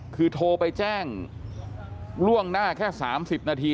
คือโทรไปแจ้งล่วงหน้าแค่๓๐นาที